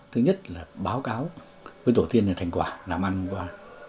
thứ nhất là báo cáo với tổ tiên là thành quả làm ăn qua